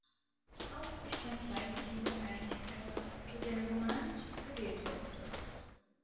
Auch bestand weitgehende Einigkeit, dass ein Romand gewählt werden soll.